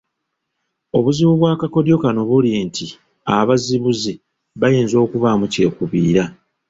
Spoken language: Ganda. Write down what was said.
Obuzibu bw’akakodyo kano buli nti abazibuzi bayinza okubaamu kyekubiira.